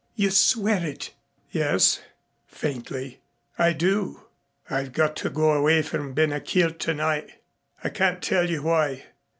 "You swear it?" "Yes," faintly, "I do." "I've got to go away from Ben a Chielt tonight. I can't tell you why.